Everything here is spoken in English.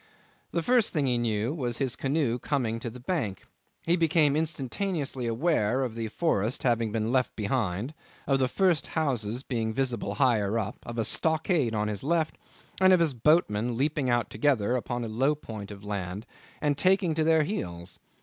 The first thing he knew was his canoe coming to the bank. He became instantaneously aware of the forest having been left behind, of the first houses being visible higher up, of a stockade on his left, and of his boatmen leaping out together upon a low point of land and taking to their heels.